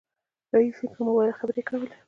رئيسې په موبایل خبرې کولې.